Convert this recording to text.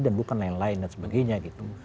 dan bukan lain lain dan sebagainya gitu